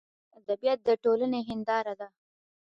ادبیات دټولني هنداره ده.